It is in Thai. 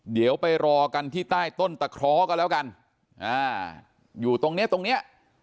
เดี๋ยวไปรอกันที่ใต้ต้นตะเคราะห์ก็แล้วกันอยู่ตรงเนี้ยตรงเนี้ย